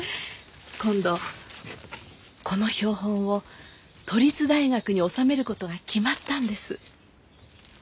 今度この標本を都立大学に収めることが決まったんです。